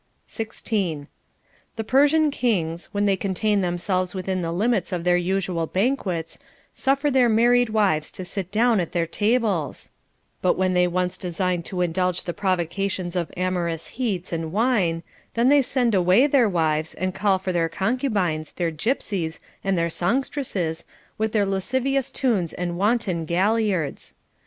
16. The Persian kings, when they contain themselves within the limits of their usual banquets, suffer their mar ried wives to sit down at their tables ; bat when they once design to indulge the provocations of amorous heats and wine, then they send away their wives, and call for their concubines, their gypsies, and their songstresses, with their lascivious tunes and wanton galliards.